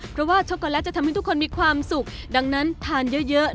เพราะว่าช็อกโกแลตจะทำให้ทุกคนมีความสุขดังนั้นทานเยอะ